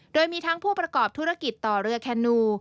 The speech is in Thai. โดยมีทั้งผู้ประกอบธุรกิจต่อเรือแคนู